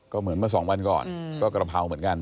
ก็เหมือนเมื่อสองวันก่อนก็กระเพราเหมือนกัน